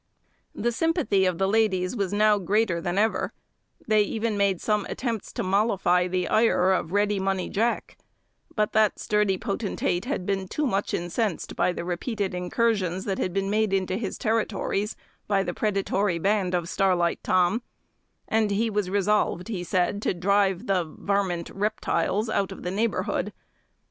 The sympathy of the ladies was now greater than ever; they even made some attempts to mollify the ire of Ready Money Jack; but that sturdy potentate had been too much incensed by the repeated incursions that had been made into his territories by the predatory band of Starlight Tom, and he was resolved, he said, to drive the "varmint reptiles" out of the neighbourhood.